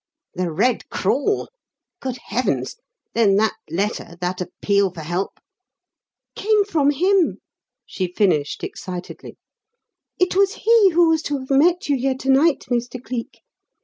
"'The Red Crawl'! Good heavens! then that letter, that appeal for help " "Came from him!" she finished excitedly. "It was he who was to have met you here to night, Mr. Cleek.